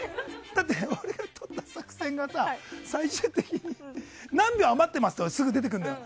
だって、俺がとった作戦がさ最終的に何秒余ってますってすぐ出てくるんだよ。